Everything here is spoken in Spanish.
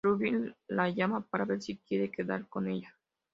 Ruby la llama para ver si quiere quedar con ella.